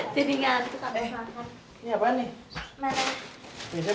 jadi ngantuk tak bisa makan